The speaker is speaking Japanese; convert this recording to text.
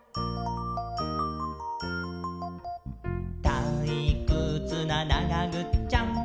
「たいくつな、ながぐっちゃん！！」